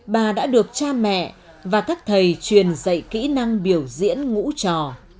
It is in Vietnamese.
bà đã được cha mẹ và các thầy truyền dạy kỹ năng biểu diễn ngũ trò